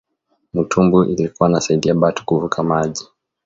Mutumbu ilikuwa nasaidia batu kuvuka maji